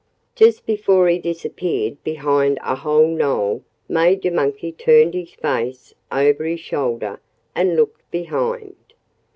Just before he disappeared behind a high knoll Major Monkey turned his face over his shoulder and looked behind.